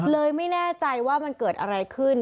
ไม่แน่ใจว่ามันเกิดอะไรขึ้น